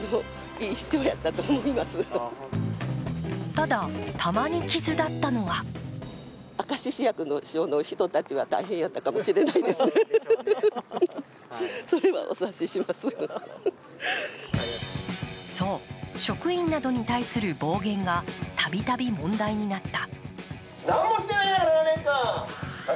ただ、玉にきずだったのはそう、職員などに対する暴言が度々問題になった。